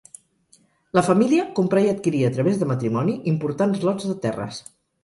La família comprà i adquirí a través de matrimoni importants lots de terres.